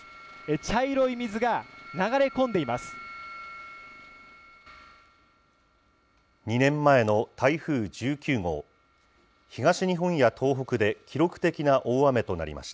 茶色い水が流れ込んでいます。